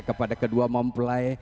kepada kedua mempelai